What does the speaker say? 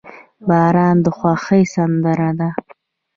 • باران د خوښۍ سندره ده.